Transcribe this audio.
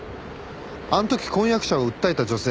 あの時婚約者を訴えた女性